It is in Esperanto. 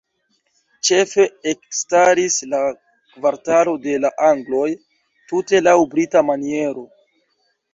Ĉefe elstaris la kvartalo "de la angloj" tute laŭ brita maniero.